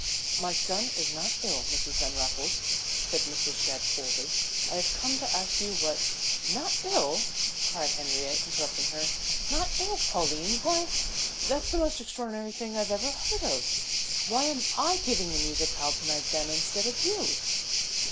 "My son is not ill, Mrs. Van Raffles," said Mrs. Shadd, coldly. "I have come to ask you what " "Not ill?" cried Henriette, interrupting her. "Not ill, Pauline? Why," breathlessly "that's the most extraordinary thing I ever heard of. Why am I giving the musicale to night then, instead of you?"